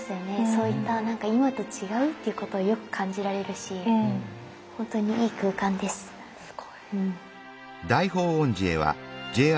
そういった何か今と違うっていうことをよく感じられるしほんとにいい空間です。